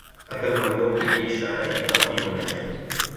عقلمندوں کے لئے اشارے ہی کافی ہونے چاہئیں۔